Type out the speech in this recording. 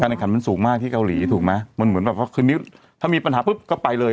แข่งขันมันสูงมากที่เกาหลีถูกไหมมันเหมือนแบบว่าคืนนี้ถ้ามีปัญหาปุ๊บก็ไปเลย